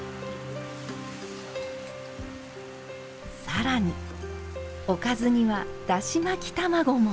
さらに、おかずにはだし巻き玉子も。